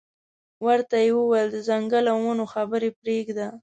ورته یې وویل د ځنګل او ونو خبرې پرېږده.